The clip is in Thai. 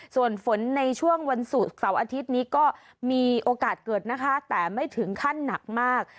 ส่วนฝนในช่วงวันศุกร์เสาร์อาทิตย์นี้ก็มีโอกาสเกิดนะคะแต่ไม่ถึงขั้นหนักมาก